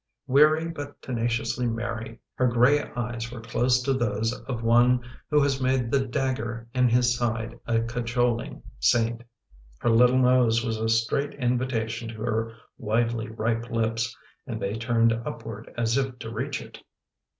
Weary but tenaciously merry, her gray eyes were close to those of one who has made the dagger in his side a cajoling saint. Her little nose was a straight invitation to her widely ripe lips and they turned upward as if to reach it.